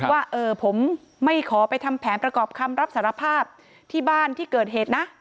ว่าเออผมไม่ขอไปทำแผนประกอบคำรับสารภาพที่บ้านที่เกิดเหตุนะ